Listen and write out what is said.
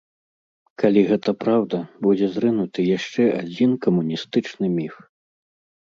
Калі гэта праўда, будзе зрынуты яшчэ адзін камуністычны міф.